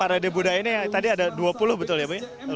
para debudaya ini yang tadi ada dua puluh betul ya bu ya